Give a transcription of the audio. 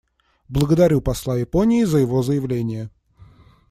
Благодарю посла Японии за его заявление.